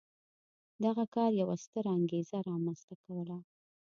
دغه کار یوه ستره انګېزه رامنځته کوله.